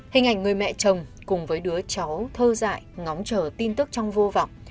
hình ảnh người mẹ chồng cùng với đứa cháu thơ dại ngóng chờ tin tức trong vô vọng